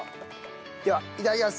ではいただきます。